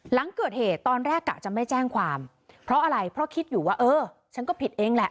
หลังเกิดเหตุตอนแรกกะจะไม่แจ้งความเพราะอะไรเพราะคิดอยู่ว่าเออฉันก็ผิดเองแหละ